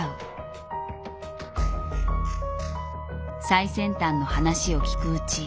最先端の話を聞くうち